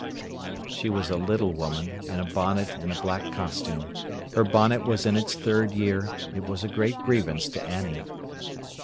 She was a little woman, in a bonnet and a black costume. Her bonnet was in its third year; it was a great grievance to Annie.